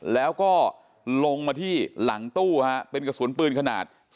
แล้วก็ลงมาที่หลังตู้ฮะเป็นกระสุนปืนขนาด